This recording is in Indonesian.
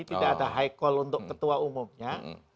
tidak ada high call untuk ketua umumnya